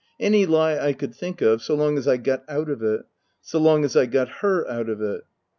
Any lie I could think of, so long as I got out of it. So long as I got her out of it.